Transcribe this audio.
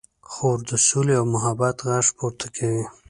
خور د سولې او محبت غږ پورته کوي.